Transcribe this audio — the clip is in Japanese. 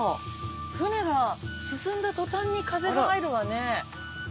船が進んだ途端に風が入るわね。